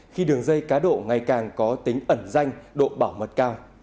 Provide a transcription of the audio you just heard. khi đường dây cá độ ngày càng có tính ẩn danh độ bảo mật cao